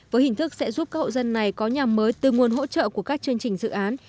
với hình thức sẽ giúp các hộ dân này có nhà mới từ nguồn hỗ trợ của các chương trình dự án